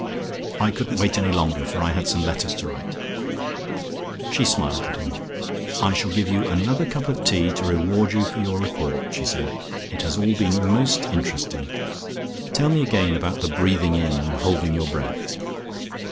"I couldn't wait any longer for I had some letters to write." She smiled at him. "I shall give you another cup of tea to reward you for your report," she said. "It has all been most interesting. Tell me again about the breathing in and holding your breath."